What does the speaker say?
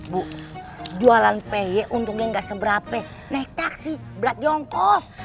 bu jualan py untungnya gak seberapa naik taksi belat jongkos